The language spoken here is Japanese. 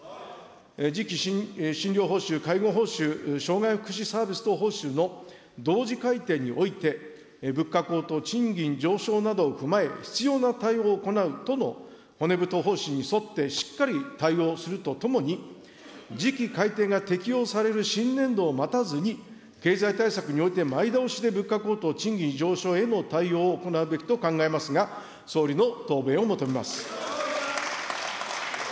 次期診療報酬、介護報酬、障害福祉サービス等報酬の同時改定において、物価高騰、賃金上昇などを踏まえ、必要な対応を行うとの骨太方針に沿って、しっかり対応するとともに、時期改定が適用される新年度を待たずに、経済対策において前倒しで物価高騰、賃金上昇への対応を行うべきと考えますが、総理の答弁を求めます。